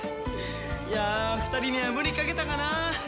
いやあ２人には無理かけたかな。